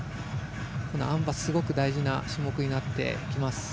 あん馬、すごく大事な種目になってきます。